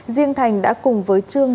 riêng thành đã cùng với trương